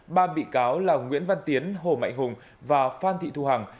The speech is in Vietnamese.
ba bị cáo là nguyễn văn tiến hồ mạnh hùng và phan thị thu hằng